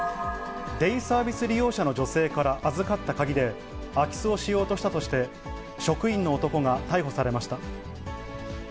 デイサービス利用者の女性から預かった鍵で、空き巣をしようとしたとして、職員の男が逮捕されました。